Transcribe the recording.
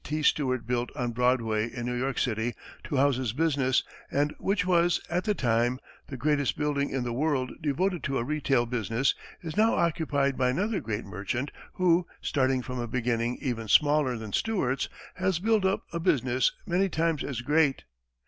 T. Stewart built on Broadway, in New York City, to house his business, and which was, at the time, the largest building in the world devoted to a retail business, is now occupied by another great merchant, who, starting from a beginning even smaller than Stewart's, has built up a business many times as great.